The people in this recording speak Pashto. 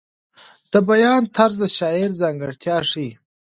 د بیان طرز د شاعر ځانګړتیا ښیي.